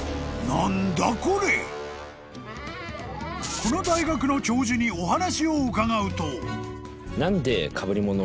［この大学の教授にお話を伺うと］